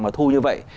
mà thu như vậy